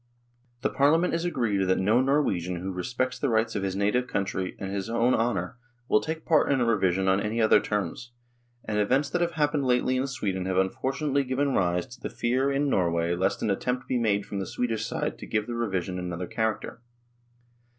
The Parlia ment is agreed that no Norwegian who respects the rights of his native country and his own honour will take part in a revision on any other terms, and events that have happened lately in Sweden have unfortunately given rise to the fear in Norway lest 42 NORWAY AND THE UNION WITH SWEDEN an attempt be made from the S\vedish side to give the revision another character."